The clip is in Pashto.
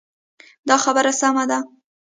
دا خبره سمه ده.